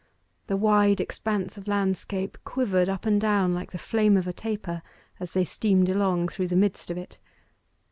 The wide expanse of landscape quivered up and down like the flame of a taper, as they steamed along through the midst of it.